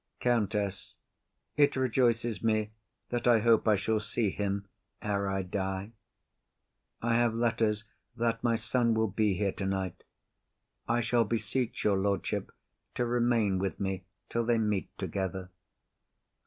COUNTESS. It rejoices me that I hope I shall see him ere I die. I have letters that my son will be here tonight. I shall beseech your lordship to remain with me till they meet together.